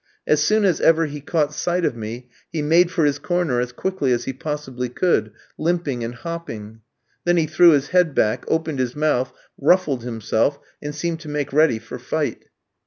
As soon as ever he caught sight of me he made for his corner as quickly as he possibly could, limping and hopping. Then he threw his head back, opened his mouth, ruffled himself, and seemed to make ready for fight.